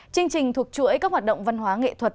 chương trình thuộc chuỗi các hoạt động văn hóa nghệ thuật